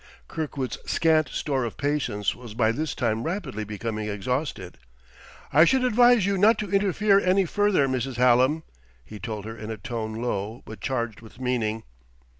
Kirkwood's scant store of patience was by this time rapidly becoming exhausted. "I should advise you not to interfere any further, Mrs. Hallam," he told her in a tone low, but charged with meaning.